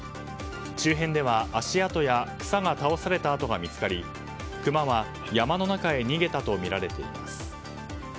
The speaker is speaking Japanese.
周辺では足跡や草が倒された跡が見つかりクマは山の中へ逃げたとみられています。